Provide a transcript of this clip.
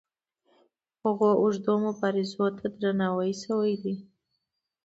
هغو اوږدو مبارزو ته درناوی شوی دی.